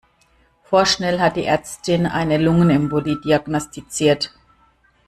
Vorschnell hat die Ärztin eine Lungenembolie diagnostiziert.